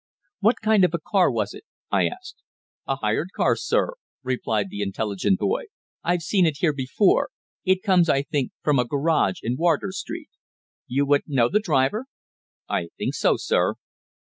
"What kind of car was it?" I asked. "A hired car, sir," replied the intelligent boy. "I've seen it here before. It comes, I think, from a garage in Wardour Street." "You would know the driver?" "I think so, sir."